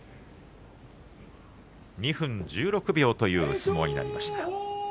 ２分１６秒という相撲になりました。